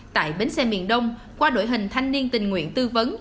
tại bến xe miền đông qua đội hình thanh niên tình nguyện tư vấn